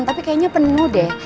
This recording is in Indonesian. tapi kayaknya penuh deh